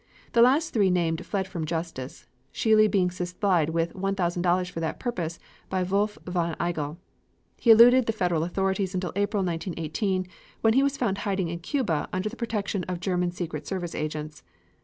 The last three named fled from justice, Scheele being supplied with $1,000 for that purpose by Wolf von Igel. He eluded the Federal authorities until April, 1918, when he was found hiding in Cuba under the protection of German secret service agents.